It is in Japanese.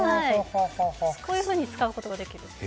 こういうふうに使うことができるんです。